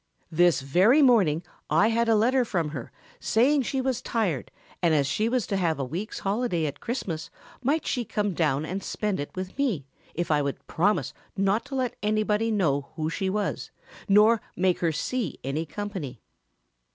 This very morning I had a letter from her saying she was tired and as she was to have a week's holiday at Christmas might she come down and spend it with me if I would promise not to let anybody know who she was nor make her see any company.'